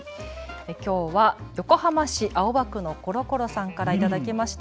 きょうは横浜市青葉区のころころさんから頂きました。